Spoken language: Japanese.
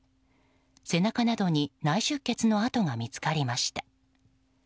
背中などに内出血の跡が見つかりました。